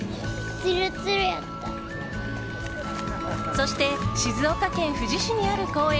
そして静岡県富士市にある公園